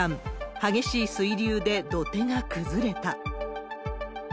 激しい水流で土手が崩れた。